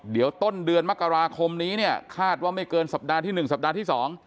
เดี๋ยวต้นเดือนมกราคมนี้เนี่ยคาดว่าไม่เกินสัปดาห์ที่๑สัปดาห์ที่๒